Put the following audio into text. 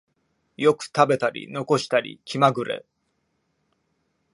よく食べたり残したり気まぐれ